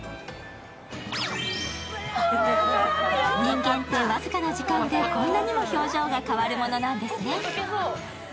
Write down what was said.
人間って僅かな時間でこんなにも表情が変わるものなんですね。